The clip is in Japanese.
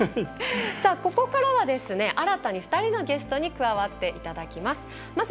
ここからは新たに２人のゲストに加わっていただきます。